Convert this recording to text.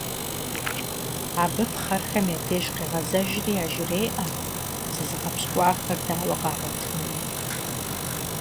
Абы пхъэрхэм я деж къегъэзэжри яжреӀэ зызыгъэпщкӀуахэр дауэ къагъуэтынуми.